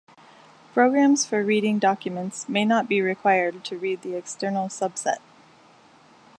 Programs for reading documents may not be required to read the external subset.